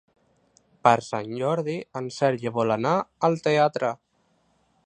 Per Sant Jordi en Sergi vol anar al teatre.